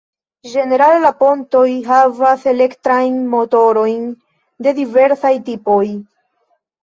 Ĝenerale la pontoj havas elektrajn motorojn de diversaj tipoj.